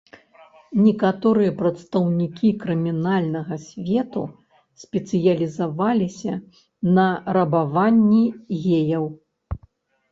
Некаторыя прадстаўнікі крымінальнага свету спецыялізаваліся на рабаванні геяў.